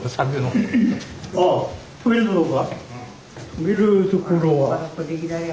留めるところは。